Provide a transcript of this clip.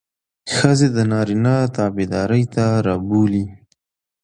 ښځې د نارينه تابعدارۍ ته رابولي.